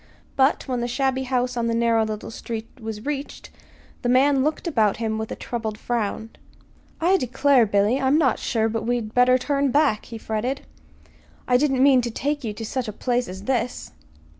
But when the shabby house on the narrow little street was reached, the man looked about him with a troubled frown. "I declare, Billy, I'm not sure but we'd better turn back," he fretted. "I didn't mean to take you to such a place as this."